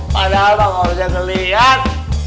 padahal pak orja ngeliat